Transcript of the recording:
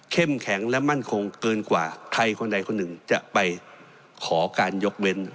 แข็งและมั่นคงเกินกว่าใครคนใดคนหนึ่งจะไปขอการยกเว้น